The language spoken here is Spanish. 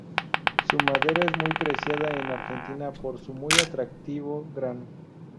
Su madera es muy preciada en Argentina por su muy atractivo grano.